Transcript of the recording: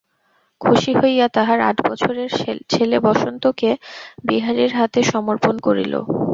খুশি হইয়া তাহার আট বছরের ছেলে বসন্তকে বিহারীর হাতে সমর্পণ করিল।